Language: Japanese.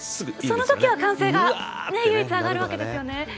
そのときは歓声が唯一上がるんですよね。